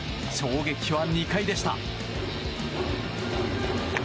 衝撃は２回でした。